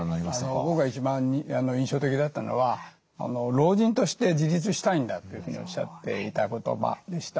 僕が一番印象的だったのは老人として自立したいんだというふうにおっしゃっていた言葉でした。